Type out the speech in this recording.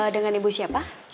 dengan ibu siapa